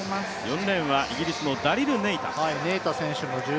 ４レーンはイギリスのダリル・ネイタ。